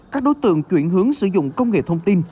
các đối tượng chuyển hướng sử dụng công nghệ thông tin